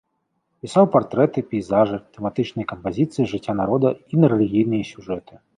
Пісаў партрэты, пейзажы, тэматычныя кампазіцыі з жыцця народа і на рэлігійныя сюжэты.